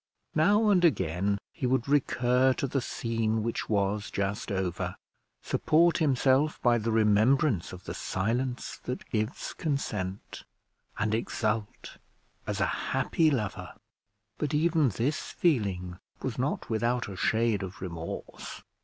Now and again he would recur to the scene which was just over, support himself by the remembrance of the silence that gives consent, and exult as a happy lover. But even this feeling was not without a shade of remorse.